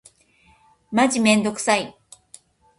マジめんどくさい。